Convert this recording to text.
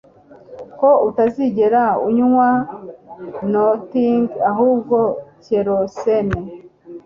Ko atazigera anywa nothin 'ahubwo kerosene,